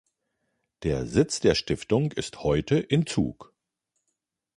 Der Sitz der Stiftung ist heute in Zug.